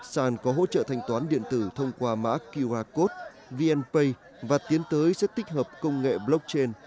sàn có hỗ trợ thanh toán điện tử thông qua mã qr code vnpay và tiến tới sẽ tích hợp công nghệ blockchain